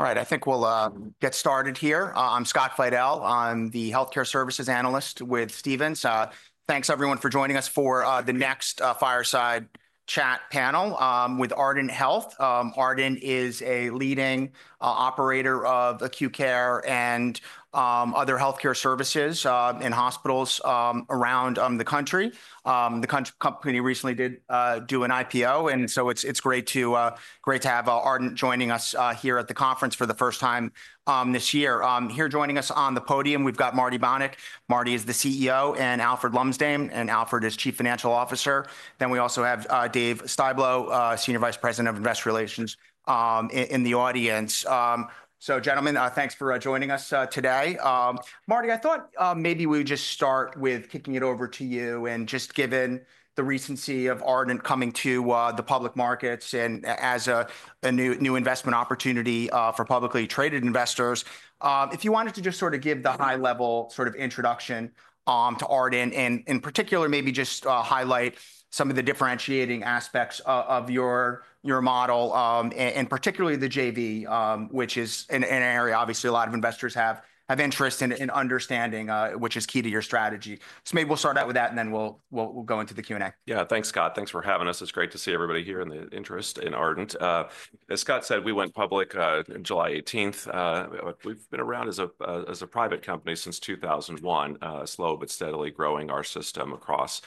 All right, I think we'll get started here. I'm Scott Fidel. I'm the Healthcare Services Analyst with Stephens. Thanks, everyone, for joining us for the next fireside chat panel with Ardent Health. Ardent is a leading operator of acute care and other healthcare services in hospitals around the country. The company recently did do an IPO, and so it's great to have Ardent joining us here at the conference for the first time this year. Here joining us on the podium, we've got Marty Bonick. Marty is the CEO, and Alfred Lumsdaine, and Alfred is Chief Financial Officer. Then we also have Dave Styblo, Senior Vice President of Investor Relations, in the audience. So, gentlemen, thanks for joining us today. Marty, I thought maybe we would just start with kicking it over to you, and just given the recency of Ardent coming to the public markets and as a new investment opportunity for publicly traded investors, if you wanted to just sort of give the high-level sort of introduction to Ardent and, in particular, maybe just highlight some of the differentiating aspects of your model and particularly the JV, which is an area obviously a lot of investors have interest in understanding, which is key to your strategy. So maybe we'll start out with that, and then we'll go into the Q&A. Yeah, thanks, Scott. Thanks for having us. It's great to see everybody here and the interest in Ardent. As Scott said, we went public on July 18th. We've been around as a private company since 2001, slow but steadily growing our system across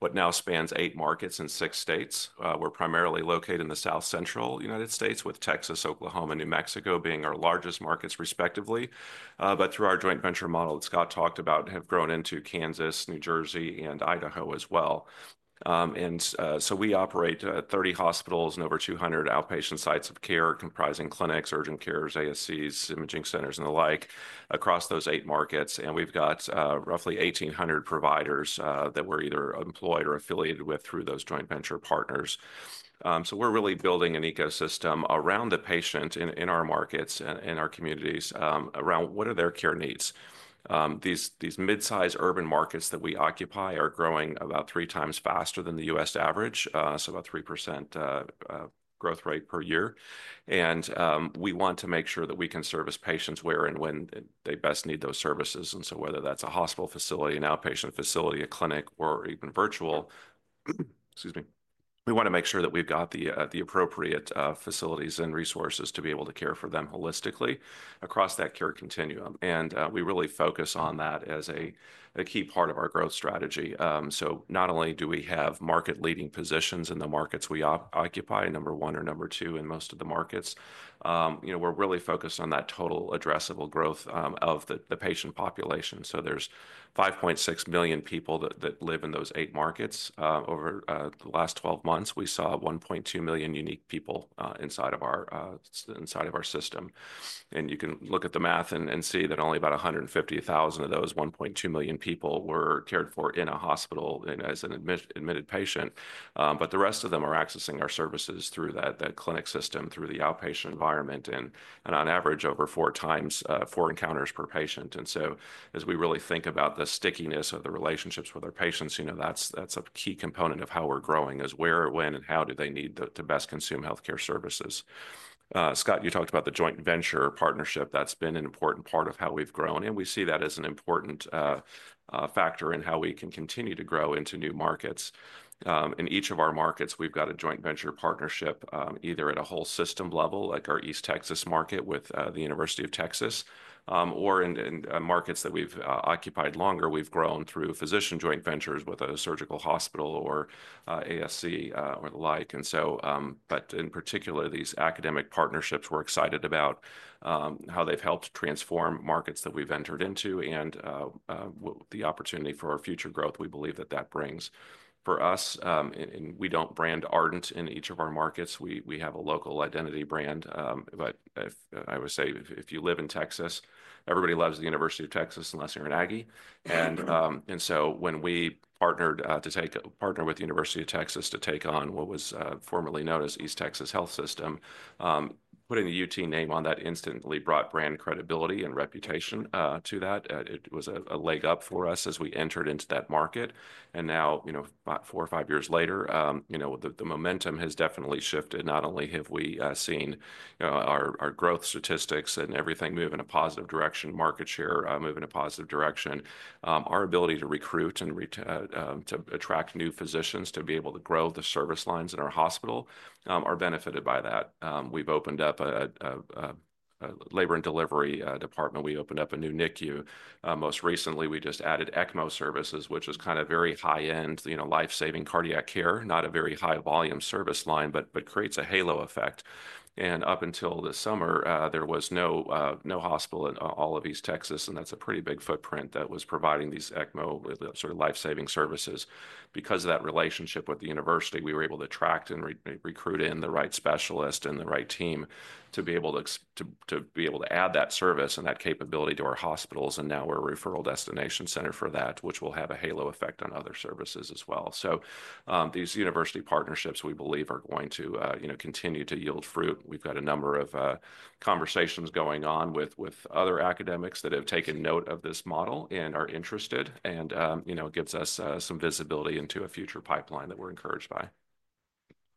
what now spans eight markets in six states. We're primarily located in the South Central United States, with Texas, Oklahoma, and New Mexico being our largest markets, respectively. But through our joint venture model, that Scott talked about, have grown into Kansas, New Jersey, and Idaho as well. And so we operate 30 hospitals and over 200 outpatient sites of care, comprising clinics, urgent cares, ASCs, imaging centers, and the like across those eight markets. And we've got roughly 1,800 providers that we're either employed or affiliated with through those joint venture partners. We're really building an ecosystem around the patient in our markets and in our communities around what are their care needs. These midsize urban markets that we occupy are growing about 3x faster than the U.S. average, so about 3% growth rate per year. We want to make sure that we can service patients where and when they best need those services. Whether that's a hospital facility, an outpatient facility, a clinic, or even virtual, excuse me, we want to make sure that we've got the appropriate facilities and resources to be able to care for them holistically across that care continuum. We really focus on that as a key part of our growth strategy. So not only do we have market-leading positions in the markets we occupy, number one or number two in most of the markets, we're really focused on that total addressable growth of the patient population. So there's 5.6 million people that live in those eight markets. Over the last 12 months, we saw 1.2 million unique people inside of our system. And you can look at the math and see that only about 150,000 of those 1.2 million people were cared for in a hospital as an admitted patient. But the rest of them are accessing our services through that clinic system, through the outpatient environment, and on average, over four encounters per patient. And so, as we really think about the stickiness of the relationships with our patients, that's a key component of how we're growing: where, when, and how do they need to best consume healthcare services. Scott, you talked about the joint venture partnership. That's been an important part of how we've grown, and we see that as an important factor in how we can continue to grow into new markets. In each of our markets, we've got a joint venture partnership either at a whole system level, like our East Texas market with the University of Texas, or in markets that we've occupied longer, we've grown through physician joint ventures with a surgical hospital or ASC or the like. And so, but in particular, these academic partnerships, we're excited about how they've helped transform markets that we've entered into and the opportunity for our future growth. We believe that brings for us, and we don't brand Ardent in each of our markets. We have a local identity brand. But I would say if you live in Texas, everybody loves the University of Texas unless you're an Aggie. And so when we partnered to partner with the University of Texas to take on what was formerly known as East Texas Health System, putting the UT name on that instantly brought brand credibility and reputation to that. It was a leg up for us as we entered into that market. And now, four or five years later, the momentum has definitely shifted. Not only have we seen our growth statistics and everything move in a positive direction, market share move in a positive direction, our ability to recruit and to attract new physicians to be able to grow the service lines in our hospital are benefited by that. We've opened up a labor and delivery department. We opened up a new NICU. Most recently, we just added ECMO services, which is kind of very high-end, lifesaving cardiac care, not a very high-volume service line, but creates a halo effect. Up until this summer, there was no hospital in all of East Texas, and that's a pretty big footprint that was providing these ECMO sort of lifesaving services. Because of that relationship with the university, we were able to attract and recruit the right specialists and the right team to be able to add that service and that capability to our hospitals. And now we're a referral destination center for that, which will have a halo effect on other services as well. So these university partnerships, we believe, are going to continue to yield fruit. We've got a number of conversations going on with other academics that have taken note of this model and are interested, and it gives us some visibility into a future pipeline that we're encouraged by.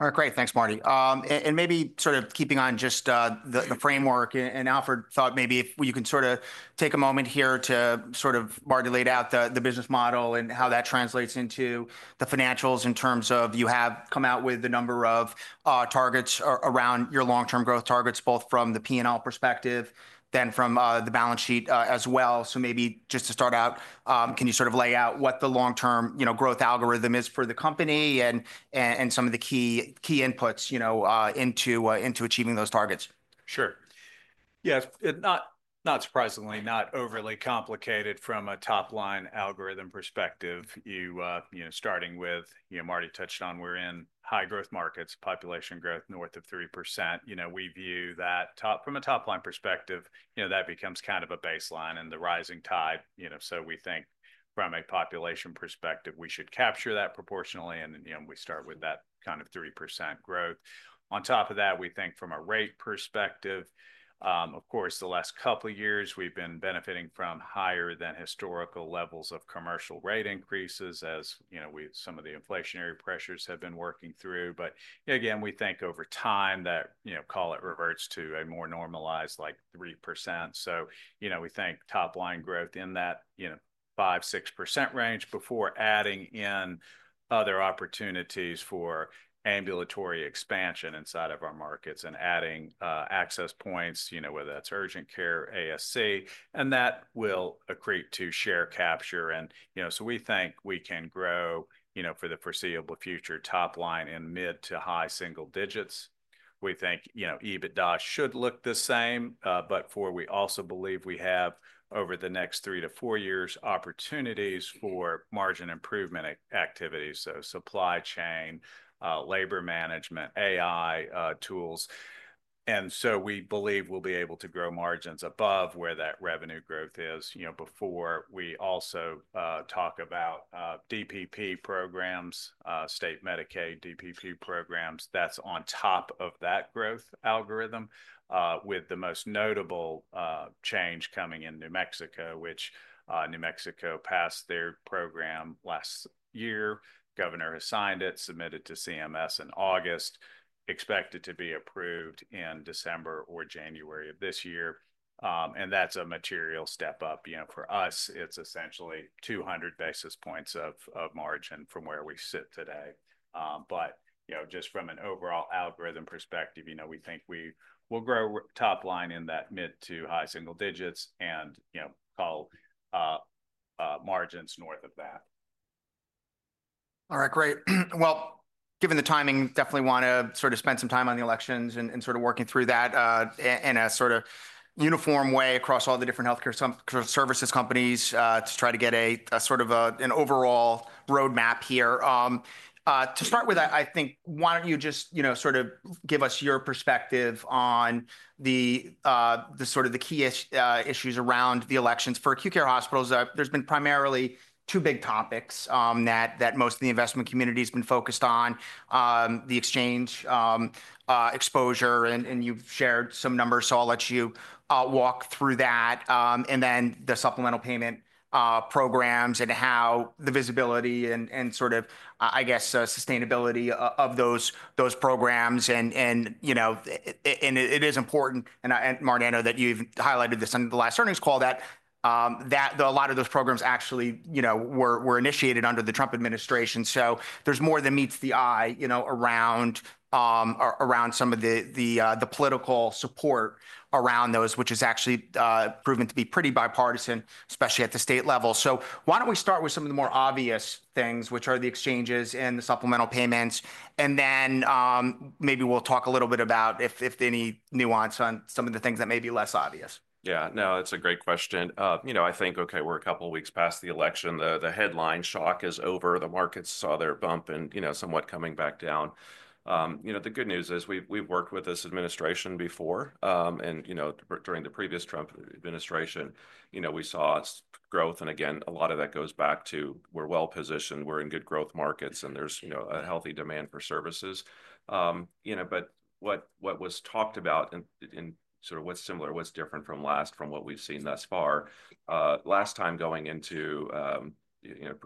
All right, great. Thanks, Marty. And maybe sort of keeping on just the framework, and Alfred thought maybe if you can sort of take a moment here to sort of Marty laid out the business model and how that translates into the financials in terms of you have come out with the number of targets around your long-term growth targets, both from the P&L perspective then from the balance sheet as well. So maybe just to start out, can you sort of lay out what the long-term growth algorithm is for the company and some of the key inputs into achieving those targets? Sure. Yeah, not surprisingly, not overly complicated from a top-line algorithm perspective. Starting with, Marty touched on, we're in high-growth markets, population growth north of 3%. We view that from a top-line perspective, that becomes kind of a baseline and the rising tide. So we think from a population perspective, we should capture that proportionally, and we start with that kind of 3% growth. On top of that, we think from a rate perspective, of course, the last couple of years, we've been benefiting from higher than historical levels of commercial rate increases as some of the inflationary pressures have been working through. But again, we think over time that call it reverts to a more normalized 3%. So we think top-line growth in that 5%, 6% range before adding in other opportunities for ambulatory expansion inside of our markets and adding access points, whether that's urgent care, ASC, and that will accrete to share capture. And so we think we can grow for the foreseeable future top-line in mid-to-high single digits. We think EBITDA should look the same, but we also believe we have over the next three to four years opportunities for margin improvement activities, so supply chain, labor management, AI tools. And so we believe we'll be able to grow margins above where that revenue growth is before we also talk about DPP programs, state Medicaid DPP programs. That's on top of that growth algorithm with the most notable change coming in New Mexico, which New Mexico passed their program last year. Governor has signed it, submitted to CMS in August, expected to be approved in December or January of this year. And that's a material step up. For us, it's essentially 200 basis points of margin from where we sit today. But just from an overall algorithm perspective, we think we will grow top-line in that mid-to-high single digits and call margins north of that. All right, great. Well, given the timing, definitely want to sort of spend some time on the elections and sort of working through that in a sort of uniform way across all the different healthcare services companies to try to get a sort of an overall roadmap here. To start with, I think, why don't you just sort of give us your perspective on the sort of the key issues around the elections for acute care hospitals? There's been primarily two big topics that most of the investment community has been focused on: the exchange exposure, and you've shared some numbers, so I'll let you walk through that, and then the supplemental payment programs and how the visibility and sort of, I guess, sustainability of those programs. It is important, and Marty, I know that you even highlighted this on the last earnings call, that a lot of those programs actually were initiated under the Trump administration. There's more than meets the eye around some of the political support around those, which has actually proven to be pretty bipartisan, especially at the state level. Why don't we start with some of the more obvious things, which are the exchanges and the supplemental payments? Maybe we'll talk a little bit about if any nuance on some of the things that may be less obvious. Yeah, no, that's a great question. I think, okay, we're a couple of weeks past the election. The headline shock is over. The markets saw their bump and somewhat coming back down. The good news is we've worked with this administration before, and during the previous Trump administration, we saw growth. And again, a lot of that goes back to we're well positioned, we're in good growth markets, and there's a healthy demand for services. But what was talked about and sort of what's similar, what's different from last from what we've seen thus far, last time going into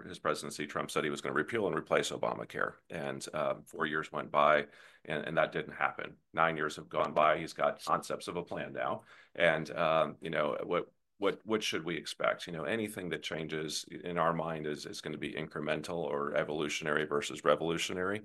his presidency, Trump said he was going to repeal and replace Obamacare, and four years went by, and that didn't happen. Nine years have gone by. He's got concepts of a plan now. And what should we expect? Anything that changes in our mind is going to be incremental or evolutionary versus revolutionary.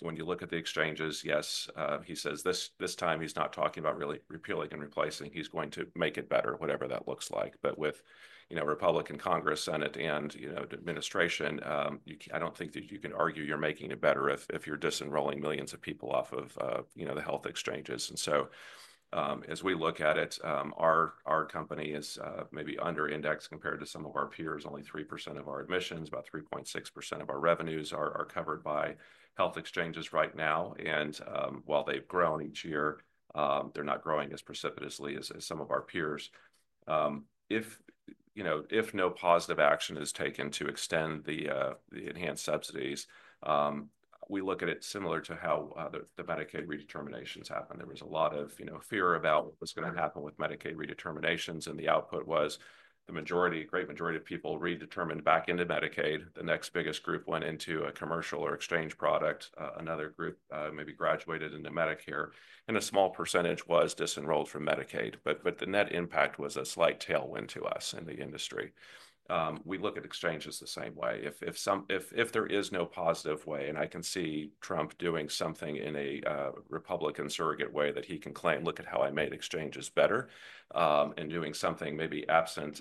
When you look at the exchanges, yes, he says this time, he's not talking about really repealing and replacing. He's going to make it better, whatever that looks like, but with Republican Congress, Senate, and administration, I don't think that you can argue you're making it better if you're disenrolling millions of people off of the health exchanges, and so as we look at it, our company is maybe under-indexed compared to some of our peers, only 3% of our admissions, about 3.6% of our revenues are covered by health exchanges right now, and while they've grown each year, they're not growing as precipitously as some of our peers. If no positive action is taken to extend the enhanced subsidies, we look at it similar to how the Medicaid redeterminations happen. There was a lot of fear about what was going to happen with Medicaid redeterminations, and the output was the majority, great majority of people redetermined back into Medicaid. The next biggest group went into a commercial or exchange product. Another group maybe graduated into Medicare, and a small percentage was disenrolled from Medicaid. But the net impact was a slight tailwind to us in the industry. We look at exchanges the same way. If there is no positive way, and I can see Trump doing something in a Republican surrogate way that he can claim, "Look at how I made exchanges better," and doing something maybe absent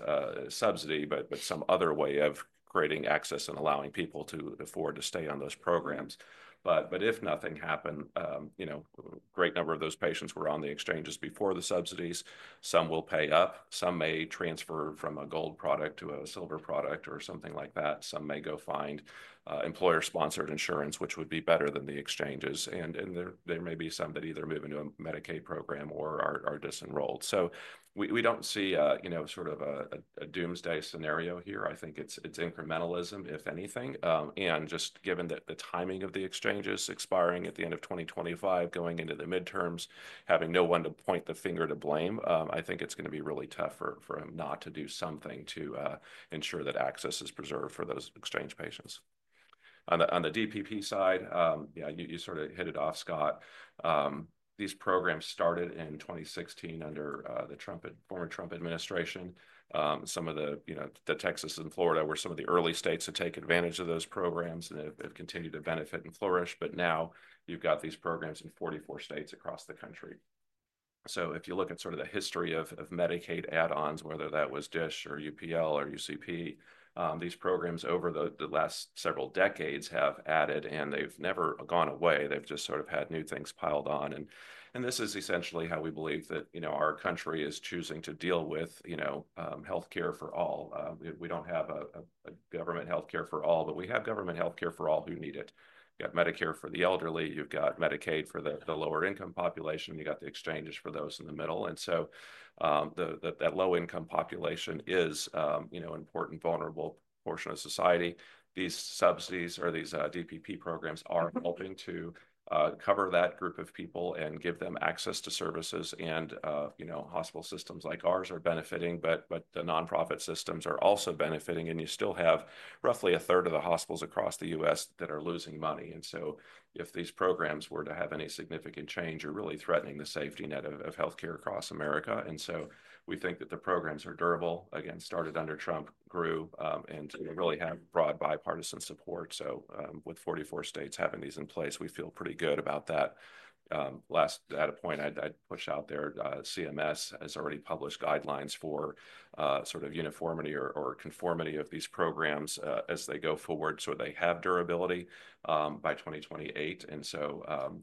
subsidy, but some other way of creating access and allowing people to afford to stay on those programs. But if nothing happened, a great number of those patients were on the exchanges before the subsidies. Some will pay up. Some may transfer from a gold product to a silver product or something like that. Some may go find employer-sponsored insurance, which would be better than the exchanges. And there may be some that either move into a Medicaid program or are disenrolled. So we don't see sort of a doomsday scenario here. I think it's incrementalism, if anything. And just given that the timing of the exchanges expiring at the end of 2025, going into the midterms, having no one to point the finger to blame, I think it's going to be really tough for him not to do something to ensure that access is preserved for those exchange patients. On the DPP side, yeah, you sort of hit it off, Scott. These programs started in 2016 under the former Trump administration. Some of the Texas and Florida were some of the early states to take advantage of those programs and have continued to benefit and flourish. But now you've got these programs in 44 states across the country. So if you look at sort of the history of Medicaid add-ons, whether that was DSH or UPL or UCP, these programs over the last several decades have added, and they've never gone away. They've just sort of had new things piled on. And this is essentially how we believe that our country is choosing to deal with healthcare for all. We don't have a government healthcare for all, but we have government healthcare for all who need it. You've got Medicare for the elderly. You've got Medicaid for the lower-income population. You've got the exchanges for those in the middle. And so that low-income population is an important, vulnerable portion of society. These subsidies or these DPP programs are helping to cover that group of people and give them access to services. And hospital systems like ours are benefiting, but the nonprofit systems are also benefiting. And you still have roughly a third of the hospitals across the U.S. that are losing money. And so if these programs were to have any significant change, you're really threatening the safety net of healthcare across America. And so we think that the programs are durable, again, started under Trump, grew, and really have broad bipartisan support. So with 44 states having these in place, we feel pretty good about that. Last at a point, I'd push out there, CMS has already published guidelines for sort of uniformity or conformity of these programs as they go forward. So they have durability by 2028. And so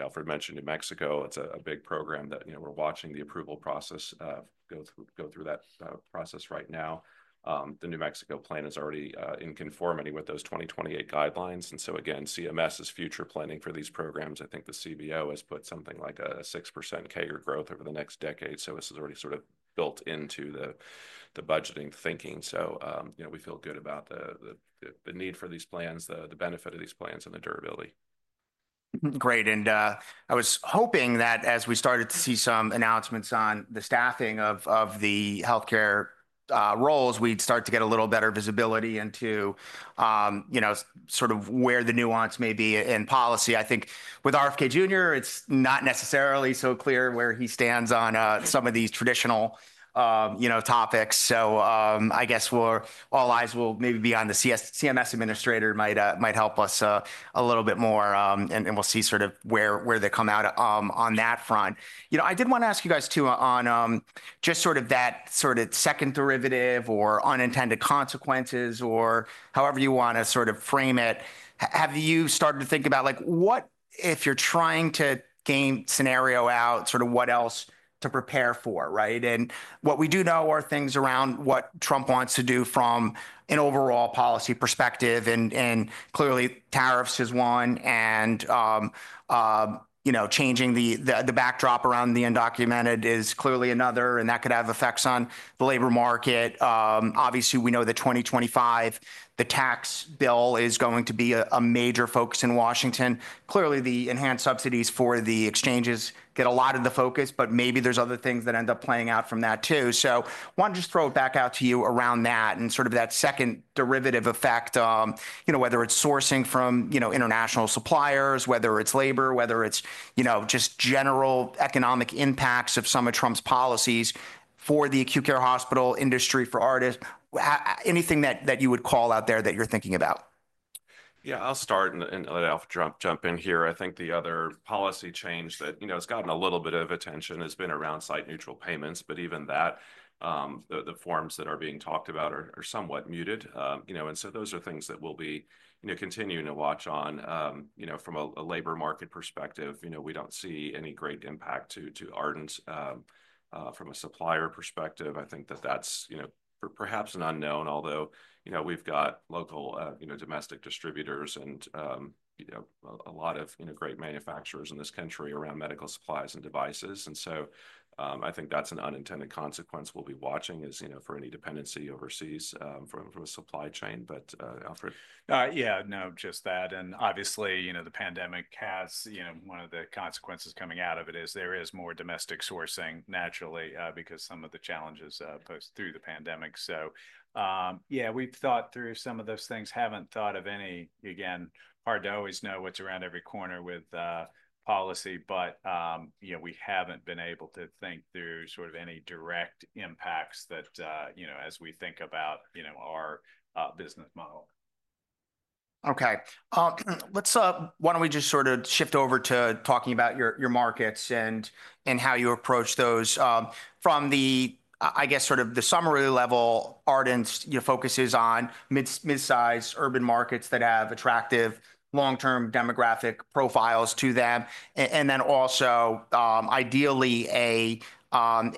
Alfred mentioned New Mexico. It's a big program that we're watching the approval process go through that process right now. The New Mexico plan is already in conformity with those 2028 guidelines, and so again, CMS is future planning for these programs. I think the CBO has put something like a 6% CAGR growth over the next decade, so this is already sort of built into the budgeting thinking, so we feel good about the need for these plans, the benefit of these plans, and the durability. Great, and I was hoping that as we started to see some announcements on the staffing of the healthcare roles, we'd start to get a little better visibility into sort of where the nuance may be in policy. I think with RFK Jr., it's not necessarily so clear where he stands on some of these traditional topics, so I guess all eyes will maybe be on the CMS administrator might help us a little bit more, and we'll see sort of where they come out on that front. I did want to ask you guys too on just sort of that sort of second derivative or unintended consequences or however you want to sort of frame it. Have you started to think about what if you're trying to game scenario out, sort of what else to prepare for, right? And what we do know are things around what Trump wants to do from an overall policy perspective. And clearly, tariffs is one, and changing the backdrop around the undocumented is clearly another, and that could have effects on the labor market. Obviously, we know that 2025, the tax bill is going to be a major focus in Washington. Clearly, the enhanced subsidies for the exchanges get a lot of the focus, but maybe there's other things that end up playing out from that too. So I want to just throw it back out to you around that and sort of that second derivative effect, whether it's sourcing from international suppliers, whether it's labor, whether it's just general economic impacts of some of Trump's policies for the acute care hospital industry, for Ardent's, anything that you would call out there that you're thinking about. Yeah, I'll start and let Alfred jump in here. I think the other policy change that has gotten a little bit of attention has been around site-neutral payments, but even that, the forms that are being talked about are somewhat muted, and so those are things that we'll be continuing to watch on. From a labor market perspective, we don't see any great impact to Ardent from a supplier perspective. I think that that's perhaps an unknown, although we've got local domestic distributors and a lot of great manufacturers in this country around medical supplies and devices. And so I think that's an unintended consequence we'll be watching for any dependency overseas from a supply chain. But Alfred. Yeah, no, just that. And obviously, the pandemic has one of the consequences coming out of it is there is more domestic sourcing naturally because some of the challenges post through the pandemic. So yeah, we've thought through some of those things, haven't thought of any. Again, hard to always know what's around every corner with policy, but we haven't been able to think through sort of any direct impacts as we think about our business model. Okay. Why don't we just sort of shift over to talking about your markets and how you approach those from the, I guess, sort of the summary level. Ardent focuses on midsize urban markets that have attractive long-term demographic profiles to them, and then also ideally a partner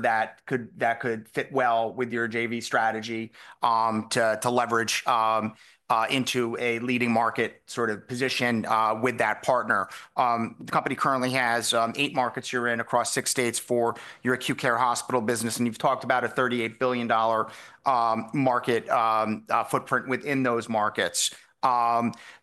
that could fit well with your JV strategy to leverage into a leading market sort of position with that partner. The company currently has eight markets you're in across six states for your acute care hospital business, and you've talked about a $38 billion market footprint within those markets.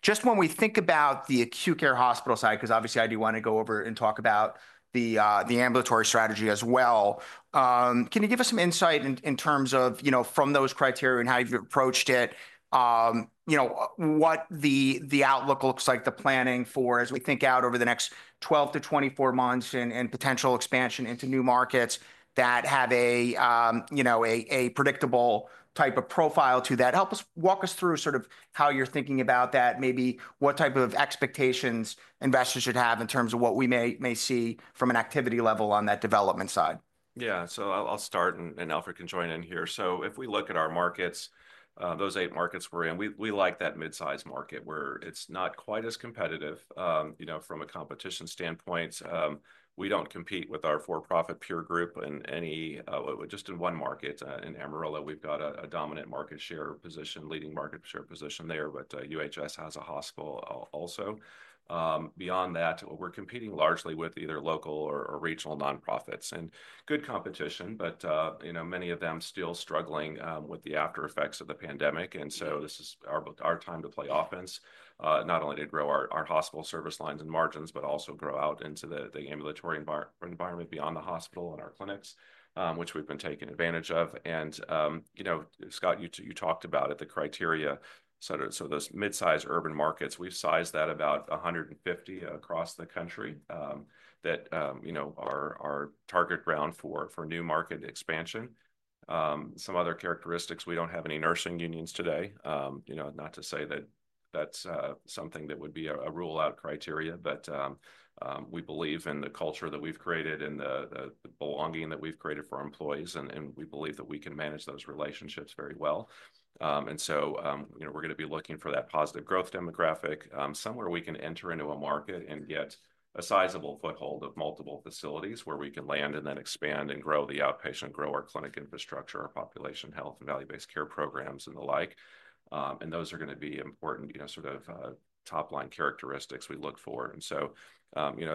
Just when we think about the acute care hospital side, because obviously I do want to go over and talk about the ambulatory strategy as well, can you give us some insight in terms of from those criteria and how you've approached it, what the outlook looks like, the planning for as we think out over the next 12-24 months and potential expansion into new markets that have a predictable type of profile to that? Help us walk through sort of how you're thinking about that, maybe what type of expectations investors should have in terms of what we may see from an activity level on that development side. Yeah, so I'll start, and Alfred can join in here. So if we look at our markets, those eight markets we're in, we like that midsize market where it's not quite as competitive from a competition standpoint. We don't compete with our for-profit peer group in just one market. In Amarillo, we've got a dominant market share position, leading market share position there, but UHS has a hospital also. Beyond that, we're competing largely with either local or regional nonprofits and good competition, but many of them still struggling with the aftereffects of the pandemic, and so this is our time to play offense, not only to grow our hospital service lines and margins, but also grow out into the ambulatory environment beyond the hospital and our clinics, which we've been taking advantage of, and Scott, you talked about it, the criteria. Those midsize urban markets, we've sized that about 150 across the country that are target ground for new market expansion. Some other characteristics, we don't have any nursing unions today, not to say that that's something that would be a rule-out criteria, but we believe in the culture that we've created and the belonging that we've created for our employees, and we believe that we can manage those relationships very well. We're going to be looking for that positive growth demographic somewhere we can enter into a market and get a sizable foothold of multiple facilities where we can land and then expand and grow the outpatient, grow our clinic infrastructure, our population health and value-based care programs and the like. Those are going to be important sort of top-line characteristics we look for. And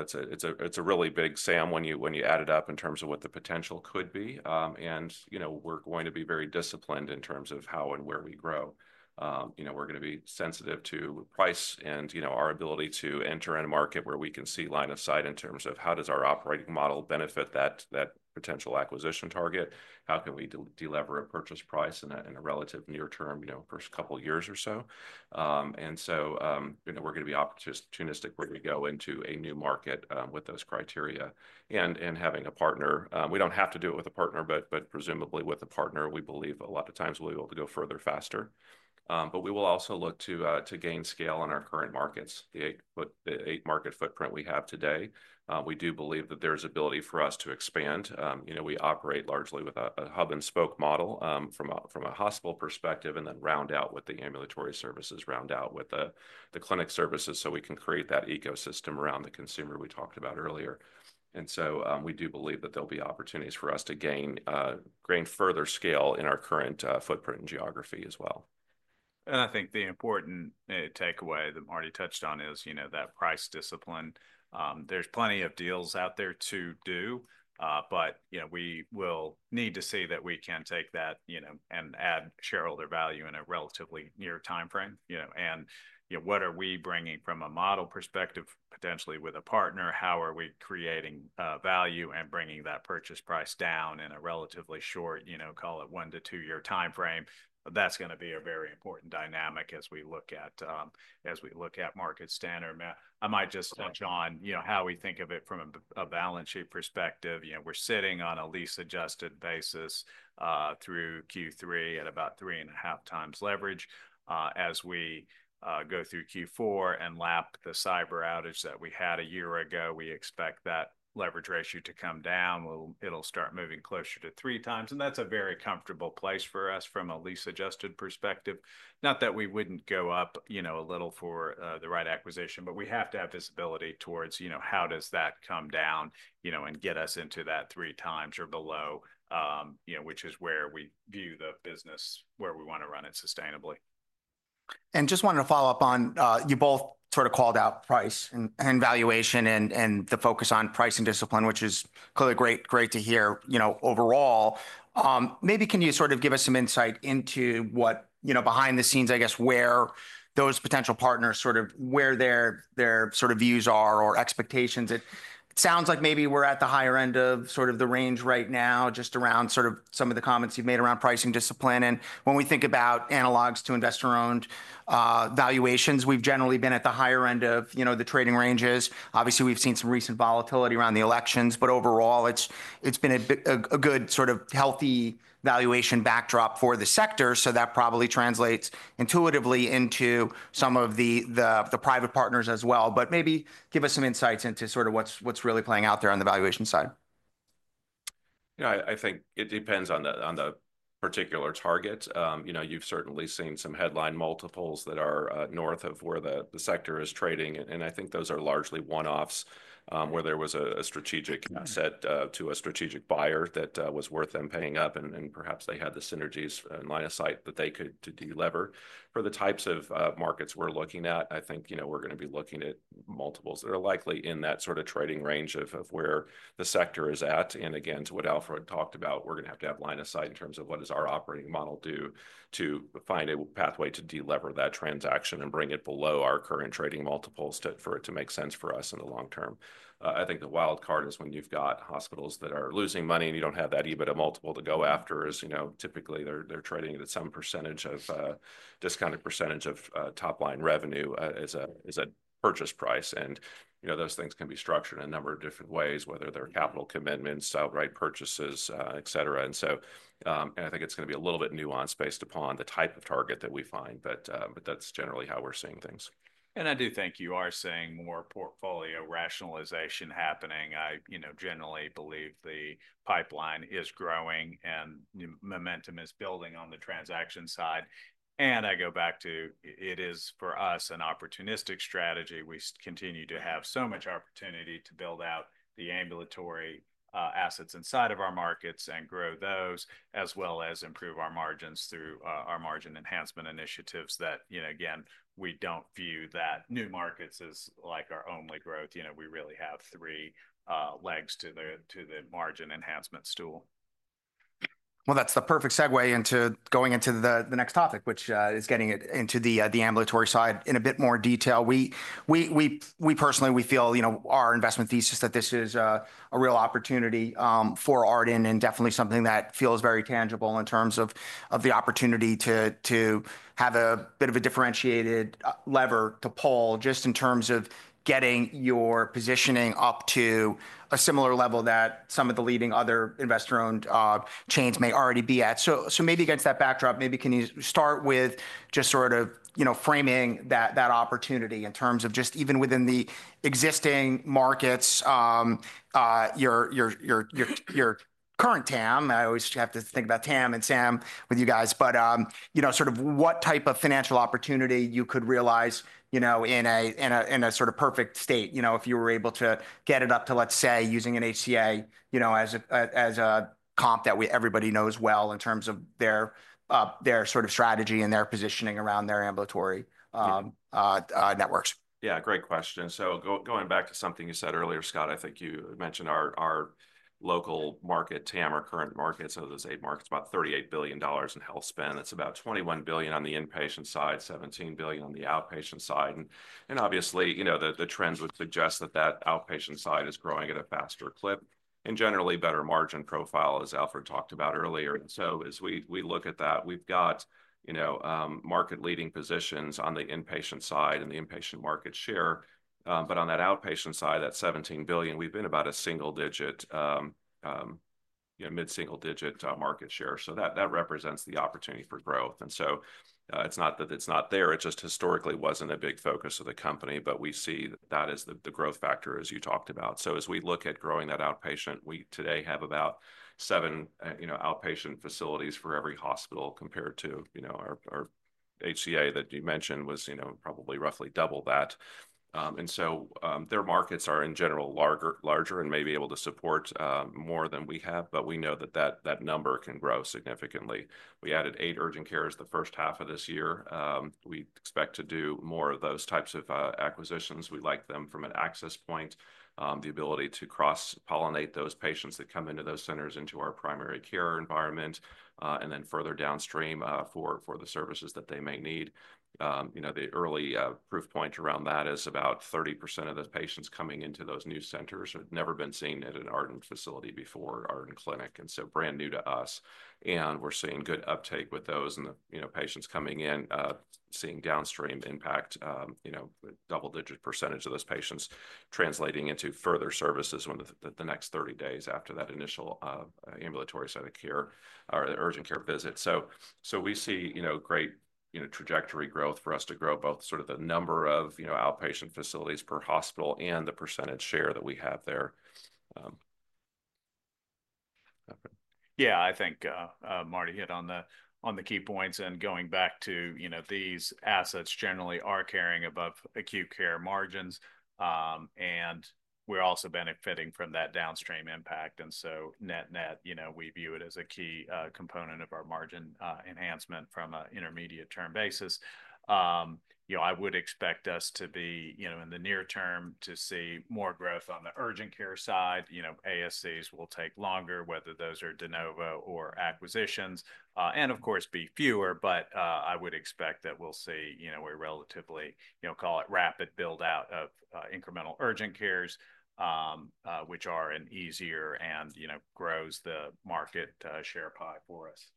so it's a really big SAM when you add it up in terms of what the potential could be. And we're going to be very disciplined in terms of how and where we grow. We're going to be sensitive to price and our ability to enter a market where we can see line of sight in terms of how does our operating model benefit that potential acquisition target, how can we deliver a purchase price in a relative near term first couple of years or so. And so we're going to be opportunistic where we go into a new market with those criteria and having a partner. We don't have to do it with a partner, but presumably with a partner, we believe a lot of times we'll be able to go further faster. We will also look to gain scale on our current markets, the eight-market footprint we have today. We do believe that there's ability for us to expand. We operate largely with a hub-and-spoke model from a hospital perspective and then round out with the ambulatory services, round out with the clinic services so we can create that ecosystem around the consumer we talked about earlier. We do believe that there'll be opportunities for us to gain further scale in our current footprint and geography as well. I think the important takeaway that Marty touched on is that price discipline. There's plenty of deals out there to do, but we will need to see that we can take that and add shareholder value in a relatively near timeframe. What are we bringing from a model perspective potentially with a partner? How are we creating value and bringing that purchase price down in a relatively short, call it one- to two-year timeframe? That's going to be a very important dynamic as we look at market standpoint. I might just touch on how we think of it from a balance sheet perspective. We're sitting on a lease-adjusted basis through Q3 at about 3.5x leverage. As we go through Q4 and lap the cyber outage that we had a year ago, we expect that leverage ratio to come down. It'll start moving closer to 3x. And that's a very comfortable place for us from a lease-adjusted perspective. Not that we wouldn't go up a little for the right acquisition, but we have to have visibility towards how does that come down and get us into that 3x or below, which is where we view the business, where we want to run it sustainably. Just wanted to follow up on you both sort of called out price and valuation and the focus on price and discipline, which is clearly great to hear overall. Maybe can you sort of give us some insight into what behind the scenes, I guess, where those potential partners, sort of where their sort of views are or expectations? It sounds like maybe we're at the higher end of sort of the range right now, just around sort of some of the comments you've made around pricing discipline. When we think about analogs to investor-owned valuations, we've generally been at the higher end of the trading ranges. Obviously, we've seen some recent volatility around the elections, but overall, it's been a good sort of healthy valuation backdrop for the sector. That probably translates intuitively into some of the private partners as well. But maybe give us some insights into sort of what's really playing out there on the valuation side. I think it depends on the particular target. You've certainly seen some headline multiples that are north of where the sector is trading. And I think those are largely one-offs where there was a strategic sale to a strategic buyer that was worth them paying up, and perhaps they had the synergies and line of sight that they could deliver. For the types of markets we're looking at, I think we're going to be looking at multiples that are likely in that sort of trading range of where the sector is at. And again, to what Alfred talked about, we're going to have to have line of sight in terms of what does our operating model do to find a pathway to deliver that transaction and bring it below our current trading multiples for it to make sense for us in the long-term. I think the wild card is when you've got hospitals that are losing money and you don't have that EBITDA multiple to go after, as typically they're trading at some percentage of discounted percentage of top-line revenue as a purchase price. And those things can be structured in a number of different ways, whether they're capital commitments, outright purchases, et cetera. And I think it's going to be a little bit nuanced based upon the type of target that we find, but that's generally how we're seeing things. And I do think you are seeing more portfolio rationalization happening. I generally believe the pipeline is growing and momentum is building on the transaction side. And I go back to it is for us an opportunistic strategy. We continue to have so much opportunity to build out the ambulatory assets inside of our markets and grow those, as well as improve our margins through our margin enhancement initiatives that, again, we don't view that new markets as like our only growth. We really have three legs to the margin enhancement stool. Well, that's the perfect segue into going into the next topic, which is getting into the ambulatory side in a bit more detail. Personally, we feel our investment thesis that this is a real opportunity for Ardent and definitely something that feels very tangible in terms of the opportunity to have a bit of a differentiated lever to pull just in terms of getting your positioning up to a similar level that some of the leading other investor-owned chains may already be at. So maybe against that backdrop, maybe can you start with just sort of framing that opportunity in terms of just even within the existing markets, your current TAM. I always have to think about TAM and SAM with you guys, but sort of what type of financial opportunity you could realize in a sort of perfect state if you were able to get it up to, let's say, using an HCA as a comp that everybody knows well in terms of their sort of strategy and their positioning around their ambulatory networks. Yeah, great question. So going back to something you said earlier, Scott, I think you mentioned our local market, TAM, our current market, so those eight markets, about $38 billion in health spend. It's about $21 billion on the inpatient side, $17 billion on the outpatient side. And obviously, the trends would suggest that that outpatient side is growing at a faster clip and generally better margin profile, as Alfred talked about earlier. And so as we look at that, we've got market-leading positions on the inpatient side and the inpatient market share. But on that outpatient side, that $17 billion, we've been about a single-digit, mid-single-digit market share. So that represents the opportunity for growth. And so it's not that it's not there, it just historically wasn't a big focus of the company, but we see that as the growth factor, as you talked about. So as we look at growing that outpatient, we today have about seven outpatient facilities for every hospital compared to our HCA that you mentioned was probably roughly double that. And so their markets are in general larger and may be able to support more than we have, but we know that that number can grow significantly. We added eight urgent cares the first half of this year. We expect to do more of those types of acquisitions. We like them from an access point, the ability to cross-pollinate those patients that come into those centers into our primary care environment, and then further downstream for the services that they may need. The early proof point around that is about 30% of the patients coming into those new centers have never been seen at an Ardent facility before, Ardent Clinic, and so brand new to us. And we're seeing good uptake with those and the patients coming in, seeing downstream impact, double-digit percentage of those patients translating into further services within the next 30 days after that initial ambulatory site of care or urgent care visit. So we see great trajectory growth for us to grow both sort of the number of outpatient facilities per hospital and the percentage share that we have there. Yeah, I think Marty hit on the key points. And going back to these assets generally are carrying above acute care margins, and we're also benefiting from that downstream impact. And so net-net, we view it as a key component of our margin enhancement from an intermediate-term basis. I would expect us to be in the near term to see more growth on the urgent care side. ASCs will take longer, whether those are de novo or acquisitions, and of course, be fewer, but I would expect that we'll see a relatively, call it rapid build-out of incremental urgent cares, which are an easier and grows the market share pie for us.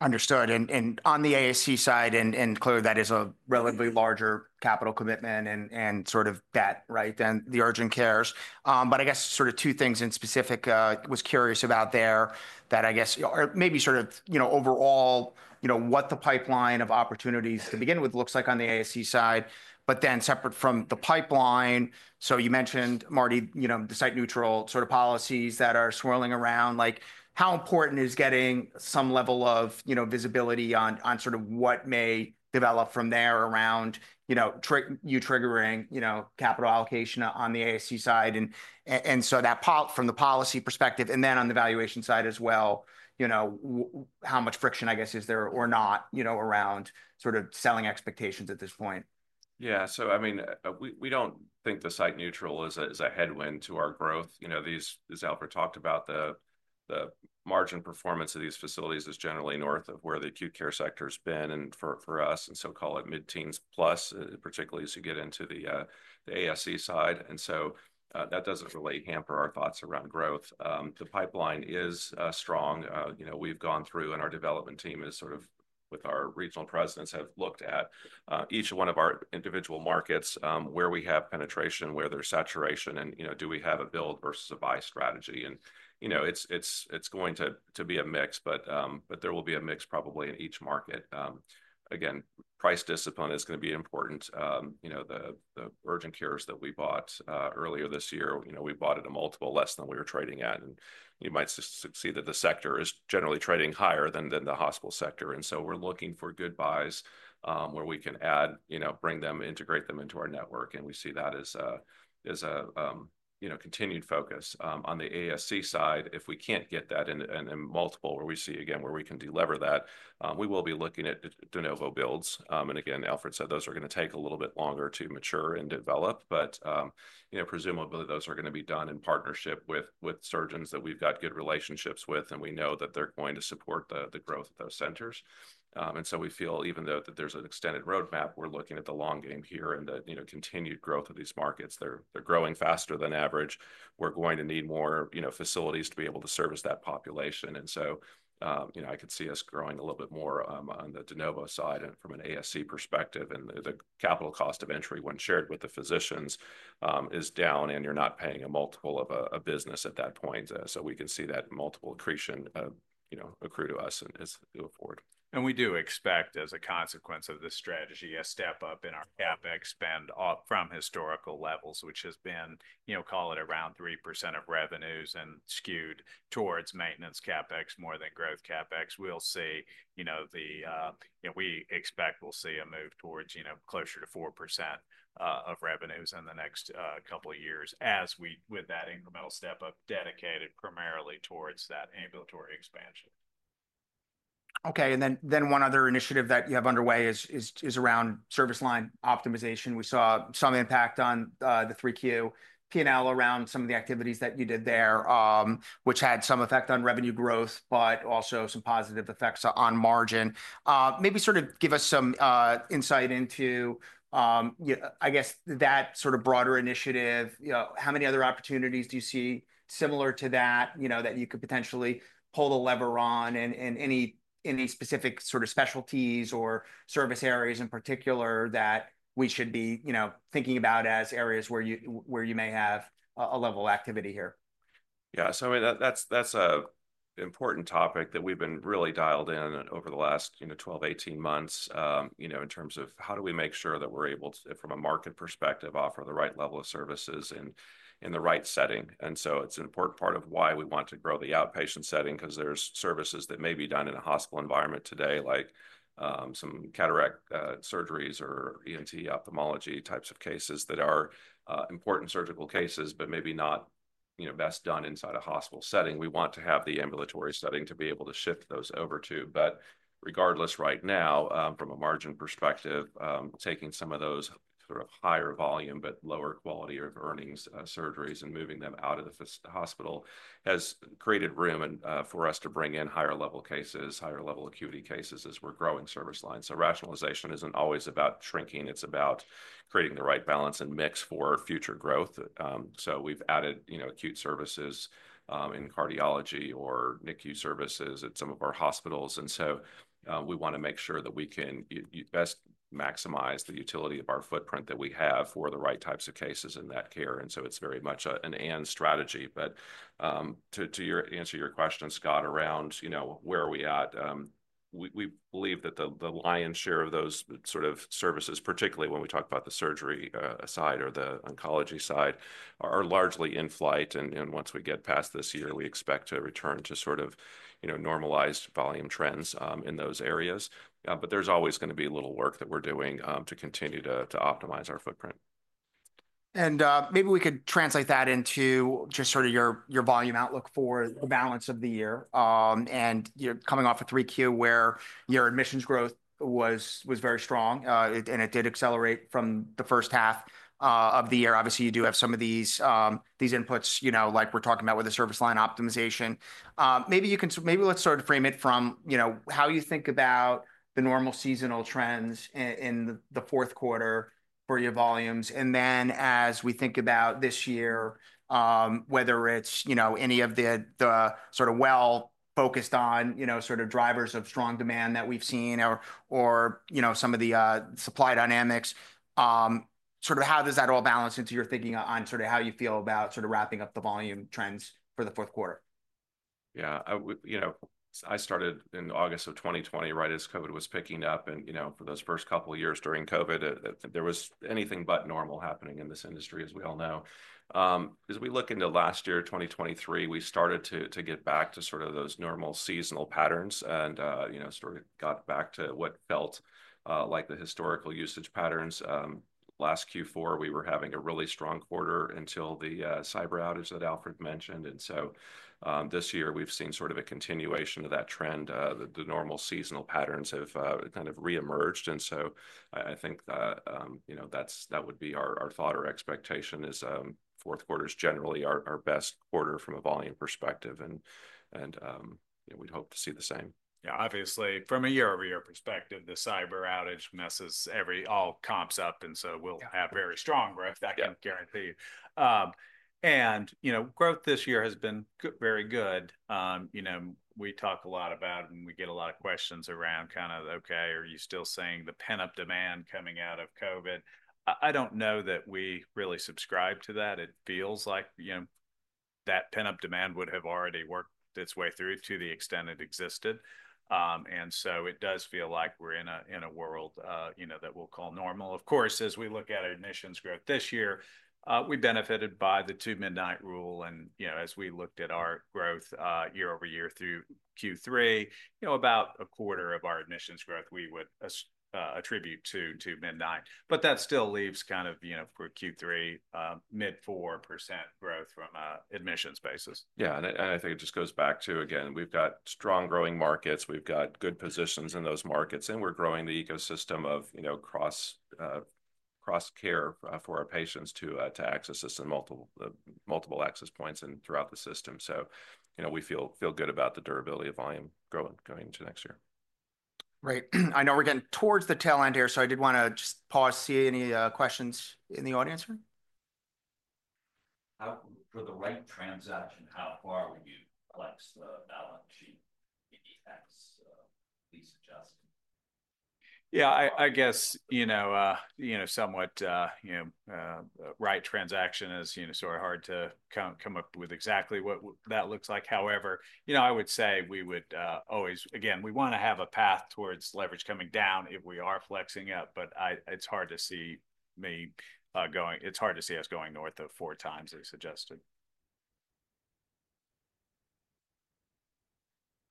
Understood. And on the ASC side, and clearly that is a relatively larger capital commitment and sort of that, right, than the urgent cares. But I guess sort of two things in specific, was curious about there that I guess maybe sort of overall what the pipeline of opportunities to begin with looks like on the ASC side, but then separate from the pipeline. So you mentioned, Marty, the site-neutral sort of policies that are swirling around. How important is getting some level of visibility on sort of what may develop from there around you triggering capital allocation on the ASC side? And so that part from the policy perspective, and then on the valuation side as well, how much friction, I guess, is there or not around sort of setting expectations at this point? Yeah. So I mean, we don't think the site-neutral is a headwind to our growth. As Alfred talked about, the margin performance of these facilities is generally north of where the acute care sector has been for us, and so call it mid-teens plus, particularly as you get into the ASC side. And so that doesn't really hamper our thoughts around growth. The pipeline is strong. We've gone through, and our development team is sort of with our regional presidents have looked at each one of our individual markets where we have penetration, where there's saturation, and do we have a build versus a buy strategy. And it's going to be a mix, but there will be a mix probably in each market. Again, price discipline is going to be important. The urgent cares that we bought earlier this year, we bought at a multiple less than we were trading at. And you might see that the sector is generally trading higher than the hospital sector. And so we're looking for good buys where we can add, bring them, integrate them into our network. And we see that as a continued focus. On the ASC side, if we can't get that in a multiple where we see, again, where we can deliver that, we will be looking at de novo builds. And again, Alfred said those are going to take a little bit longer to mature and develop, but presumably those are going to be done in partnership with surgeons that we've got good relationships with, and we know that they're going to support the growth of those centers. And so we feel even though that there's an extended roadmap, we're looking at the long game here and the continued growth of these markets. They're growing faster than average. We're going to need more facilities to be able to service that population. And so I could see us growing a little bit more on the de novo side from an ASC perspective. And the capital cost of entry when shared with the physicians is down, and you're not paying a multiple of a business at that point. So we can see that multiple accretion accrue to us and it's affordable. And we do expect, as a consequence of this strategy, a step up in our CapEx spend from historical levels, which has been (call it) around 3% of revenues and skewed towards maintenance CapEx more than growth CapEx. We'll see. We expect we'll see a move towards closer to 4% of revenues in the next couple of years as we, with that incremental step up dedicated primarily towards that ambulatory expansion. Okay. And then one other initiative that you have underway is around service line optimization. We saw some impact on the 3Q P&L around some of the activities that you did there, which had some effect on revenue growth, but also some positive effects on margin. Maybe sort of give us some insight into, I guess, that sort of broader initiative. How many other opportunities do you see similar to that that you could potentially pull the lever on and any specific sort of specialties or service areas in particular that we should be thinking about as areas where you may have a level of activity here? Yeah, so I mean, that's an important topic that we've been really dialed in over the last 12, 18 months in terms of how do we make sure that we're able to, from a market perspective, offer the right level of services in the right setting, and so it's an important part of why we want to grow the outpatient setting because there's services that may be done in a hospital environment today, like some cataract surgeries or ENT ophthalmology types of cases that are important surgical cases, but maybe not best done inside a hospital setting. We want to have the ambulatory setting to be able to shift those over to. But regardless, right now, from a margin perspective, taking some of those sort of higher volume, but lower quality of earnings surgeries and moving them out of the hospital has created room for us to bring in higher level cases, higher level acuity cases as we're growing service lines. So rationalization isn't always about shrinking. It's about creating the right balance and mix for future growth. So we've added acute services in cardiology or NICU services at some of our hospitals. And so we want to make sure that we can best maximize the utility of our footprint that we have for the right types of cases in that care. And so it's very much an and strategy. But to answer your question, Scott, around where are we at? We believe that the lion's share of those sort of services, particularly when we talk about the surgery side or the oncology side, are largely in flight. And once we get past this year, we expect to return to sort of normalized volume trends in those areas. But there's always going to be a little work that we're doing to continue to optimize our footprint. Maybe we could translate that into just sort of your volume outlook for the balance of the year. You're coming off a 3Q where your admissions growth was very strong, and it did accelerate from the first half of the year. Obviously, you do have some of these inputs like we're talking about with the service line optimization. Maybe let's sort of frame it from how you think about the normal seasonal trends in the fourth quarter for your volumes. Then as we think about this year, whether it's any of the sort of well-focused on sort of drivers of strong demand that we've seen or some of the supply dynamics, sort of how does that all balance into your thinking on sort of how you feel about sort of wrapping up the volume trends for the fourth quarter? Yeah. I started in August of 2020, right, as COVID was picking up. And for those first couple of years during COVID, there was anything but normal happening in this industry, as we all know. As we look into last year, 2023, we started to get back to sort of those normal seasonal patterns and sort of got back to what felt like the historical usage patterns. Last Q4, we were having a really strong quarter until the cyber outage that Alfred mentioned. And so this year, we've seen sort of a continuation of that trend. The normal seasonal patterns have kind of reemerged. And so I think that would be our thought or expectation is fourth quarter is generally our best quarter from a volume perspective. And we'd hope to see the same. Yeah, obviously, from a year-over-year perspective, the cyber outage messes all comps up. And so we'll have very strong growth, I can guarantee. And growth this year has been very good. We talk a lot about, and we get a lot of questions around kind of, okay, are you still seeing the pent-up demand coming out of COVID? I don't know that we really subscribe to that. It feels like that pent-up demand would have already worked its way through to the extent it existed. And so it does feel like we're in a world that we'll call normal. Of course, as we look at admissions growth this year, we benefited by the Two Midnight rule. And as we looked at our growth year-over-year through Q3, about a quarter of our admissions growth we would attribute to Two Midnight. But that still leaves kind of for Q3, mid 4% growth from an admissions basis. Yeah, and I think it just goes back to, again, we've got strong growing markets. We've got good positions in those markets, and we're growing the ecosystem of cross-care for our patients to access this in multiple access points and throughout the system, so we feel good about the durability of volume going into next year. Great. I know we're getting towards the tail end here, so I did want to just pause. See any questions in the audience room? For the right transaction, how far would you flex the balance sheet? Yeah, I guess somewhat right-sized transaction is sort of hard to come up with exactly what that looks like. However, I would say we would always, again, we want to have a path towards leverage coming down if we are flexing up, but it's hard to see us going north of 4x as suggested.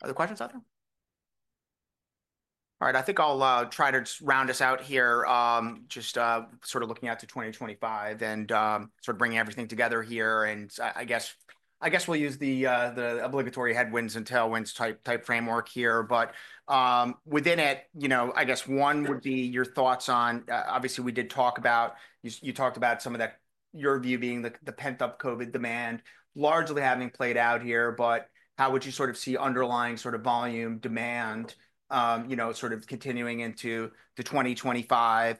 Other questions, Arthur? All right. I think I'll try to round us out here, just sort of looking out to 2025 and sort of bringing everything together here, and I guess we'll use the obligatory headwinds and tailwinds type framework here, but within it, I guess one would be your thoughts on, obviously, we did talk about you talked about some of that, your view being the pent-up COVID demand largely having played out here, but how would you sort of see underlying sort of volume demand sort of continuing into the 2025?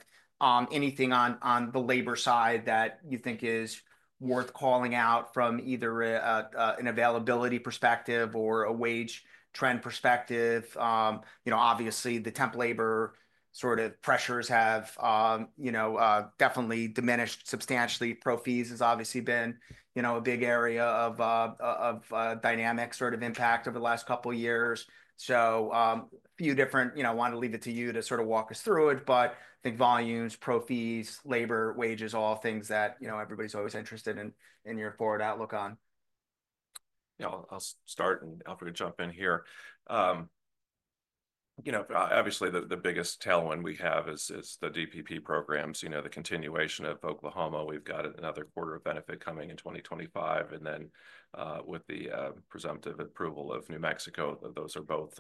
Anything on the labor side that you think is worth calling out from either an availability perspective or a wage trend perspective? Obviously, the temp labor sort of pressures have definitely diminished substantially. Pro fees has obviously been a big area of dynamic sort of impact over the last couple of years. A few different, want to leave it to you to sort of walk us through it, but I think volumes, pro fees, labor, wages, all things that everybody's always interested in your forward outlook on. Yeah, I'll start and Alfred could jump in here. Obviously, the biggest tailwind we have is the DPP programs, the continuation of Oklahoma. We've got another quarter of benefit coming in 2025. And then with the presumptive approval of New Mexico, those are both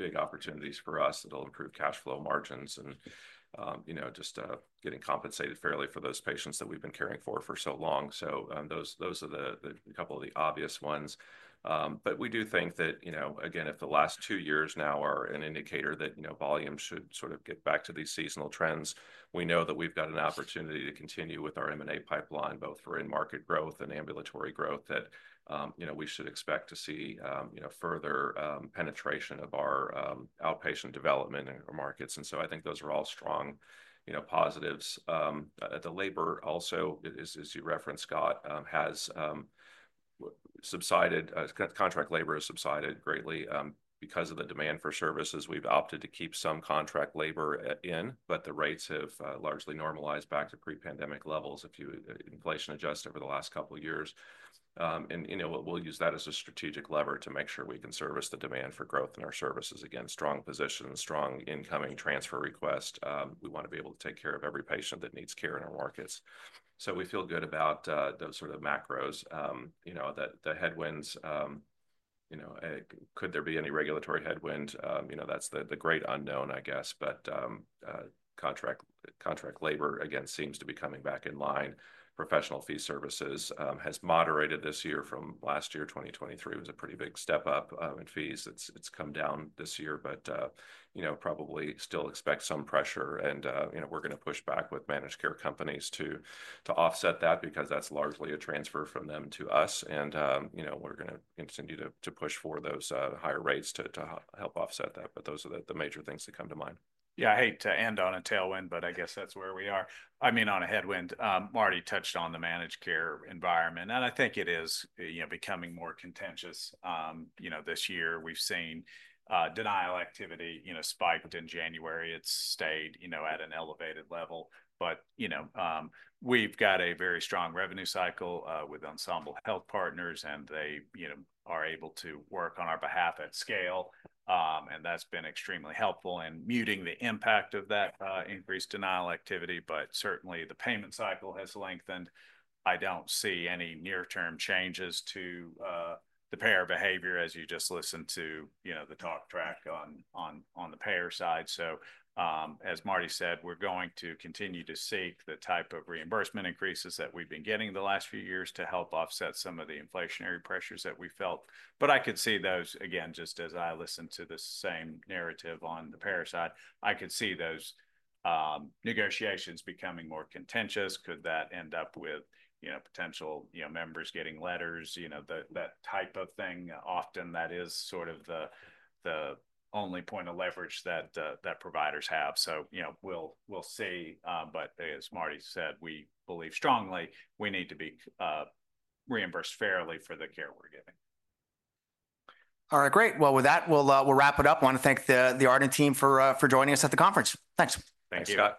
big opportunities for us that'll improve cash flow margins and just getting compensated fairly for those patients that we've been caring for for so long. So those are the couple of the obvious ones. But we do think that, again, if the last two years now are an indicator that volume should sort of get back to these seasonal trends, we know that we've got an opportunity to continue with our M&A pipeline, both for in-market growth and ambulatory growth that we should expect to see further penetration of our outpatient development in our markets. And so I think those are all strong positives. The labor also, as you referenced, Scott, has subsided. Contract labor has subsided greatly because of the demand for services. We've opted to keep some contract labor in, but the rates have largely normalized back to pre-pandemic levels if inflation adjusts over the last couple of years, and we'll use that as a strategic lever to make sure we can service the demand for growth in our services. Again, strong positions, strong incoming transfer request. We want to be able to take care of every patient that needs care in our markets, so we feel good about those sort of macros. The headwinds, could there be any regulatory headwinds? That's the great unknown, I guess, but contract labor, again, seems to be coming back in line. Professional fee services has moderated this year from last year. 2023 was a pretty big step up in fees. It's come down this year, but probably still expect some pressure, and we're going to push back with managed care companies to offset that because that's largely a transfer from them to us, and we're going to continue to push for those higher rates to help offset that, but those are the major things that come to mind. Yeah, I hate to end on a tailwind, but I guess that's where we are. I mean, on a headwind, Marty touched on the managed care environment. And I think it is becoming more contentious. This year, we've seen denial activity spiked in January. It's stayed at an elevated level. But we've got a very strong revenue cycle with Ensemble Health Partners, and they are able to work on our behalf at scale. And that's been extremely helpful in muting the impact of that increased denial activity. But certainly, the payment cycle has lengthened. I don't see any near-term changes to the payer behavior as you just listened to the talk track on the payer side. So as Marty said, we're going to continue to seek the type of reimbursement increases that we've been getting the last few years to help offset some of the inflationary pressures that we felt. But I could see those, again, just as I listened to the same narrative on the payer side, I could see those negotiations becoming more contentious. Could that end up with potential members getting letters, that type of thing? Often that is sort of the only point of leverage that providers have. So we'll see. But as Marty said, we believe strongly we need to be reimbursed fairly for the care we're giving. All right. Great. Well, with that, we'll wrap it up. I want to thank the Ardent team for joining us at the conference. Thanks. Thank you Scott.